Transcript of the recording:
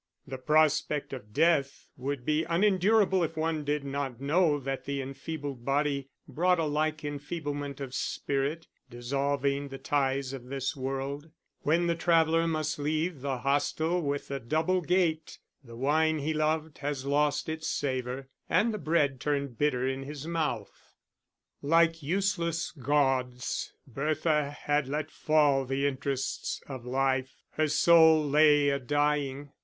The prospect of death would be unendurable if one did not know that the enfeebled body brought a like enfeeblement of spirit, dissolving the ties of this world: when the traveller must leave the hostel with the double gate, the wine he loved has lost its savour and the bread turned bitter in his mouth. Like useless gauds, Bertha had let fall the interests of life; her soul lay a dying.